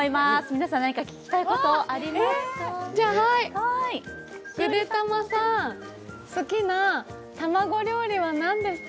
皆さん何か聞きたいことありますか？